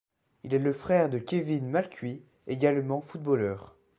Il est le frère de Kévin Malcuit également footballeur.